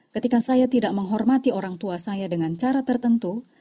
ketika saya tidak menghormati orang tua saya dengan cara tertentu